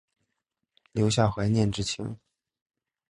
留下怀念之情